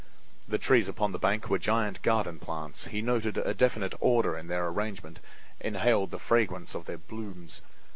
The trees upon the bank were giant garden plants; he noted a definite order in their arrangement, inhaled the fragrance of their blooms.